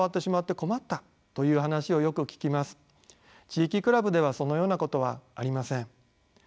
地域クラブではそのようなことはありません。